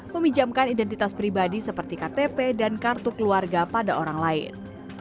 meminjamkan identitas pribadi seperti ktp dan kartu keluarga pada orang lain